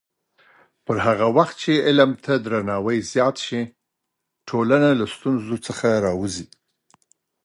پر هغه وخت چې علم ته درناوی زیات شي، ټولنه له ستونزو راووځي.